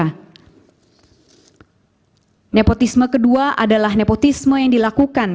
nah nepotisme kedua adalah nepotisme yang dilakukan